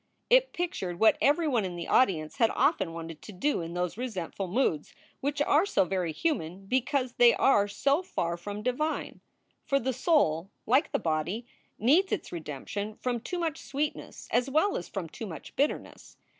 It pictured what everyone in the audience had often wanted to do in those resentful moods which are so very human because they are so far from divine. For the soul, like the body, needs its redemption from too much sweetness as well as from too much bitterness.